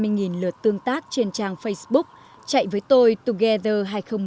nhờ tương tác trên trang facebook chạy với tôi together hai nghìn một mươi bảy